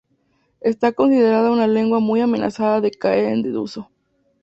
Esta considerada una lengua muy amenazada de caer en desuso.